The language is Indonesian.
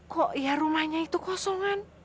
kok ya rumahnya itu kosongan